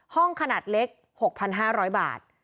ห้องขนาดเล็ก๖๕๐๐บาท